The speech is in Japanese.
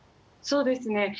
そうですね。